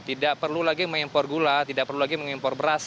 tidak perlu lagi mengimpor gula tidak perlu lagi mengimpor beras